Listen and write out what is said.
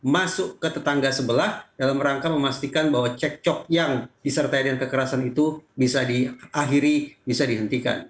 masuk ke tetangga sebelah dalam rangka memastikan bahwa cek cok yang disertai dengan kekerasan itu bisa diakhiri bisa dihentikan